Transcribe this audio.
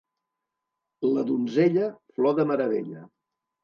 La donzella, flor de meravella.